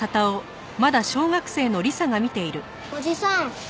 おじさん